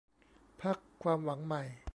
พรรคความหวังใหม่